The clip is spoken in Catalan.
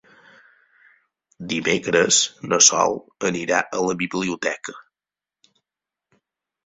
Dimecres na Sol anirà a la biblioteca.